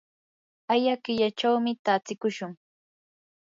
aya killachawmi takiykushun.